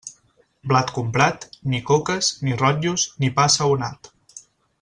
Blat comprat, ni coques, ni rotllos, ni pa assaonat.